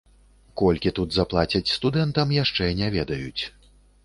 Колькі тут заплацяць студэнтам, яшчэ не ведаюць.